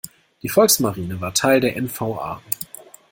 Die Volksmarine war Teil der N-V-A.